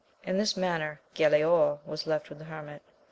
In this manner Galaor was left with the hermit.